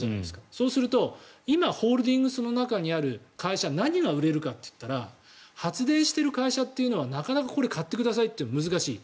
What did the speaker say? そうすると今ホールディングスの中にある会社何が売れるかといったら発電している会社というのはなかなか買ってくださいというのは難しい。